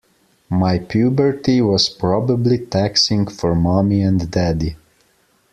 My puberty was probably taxing for mommy and daddy.